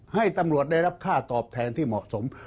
ให้ตำรวจได้รับค่าตอบแทนที่เหมาะสม